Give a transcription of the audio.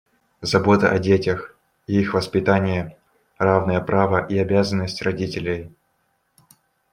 Забота о детях, их воспитание - равное право и обязанность родителей.